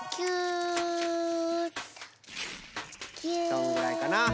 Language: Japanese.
そんぐらいかな。